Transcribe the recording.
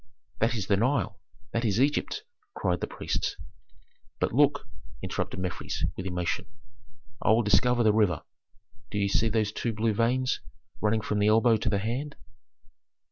"That is the Nile! That is Egypt!" cried the priests. "But look," interrupted Mefres, with emotion. "I will discover the river. Do ye see those two blue veins running from the elbow to the hand?